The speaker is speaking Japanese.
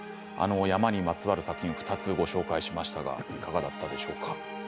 山にまつわる作品２つご紹介しましたがいかがだったでしょうか。